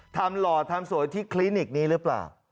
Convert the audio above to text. หล่อทำสวยที่คลินิกนี้หรือเปล่า